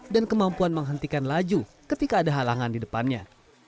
dan kemampuan menghentikan laju ketika ada halangan di depannya